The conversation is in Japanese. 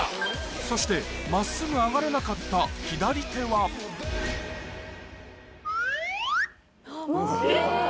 そして真っすぐ上がらなかった左手はえっ！